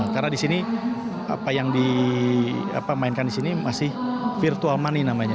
karena disini apa yang dimainkan disini masih virtual money namanya